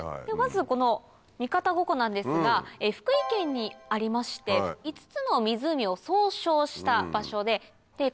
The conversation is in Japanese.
まずこの三方五湖なんですが福井県にありまして５つの湖を総称した場所で。